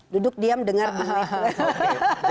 duduk diam dengar bunyi